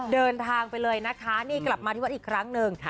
เดินทางไปเลยนะคะนี่กลับมาที่วัดอีกครั้งหนึ่ง